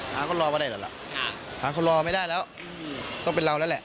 หาเขารอมาได้แล้วล่ะหาเขารอไม่ได้แล้วต้องเป็นเราแล้วแหละ